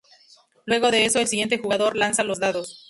Luego de eso, el siguiente jugador lanza los dados.